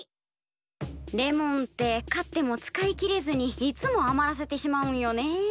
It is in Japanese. レモンって買っても使い切れずにいつも余らせてしまうんよねえ。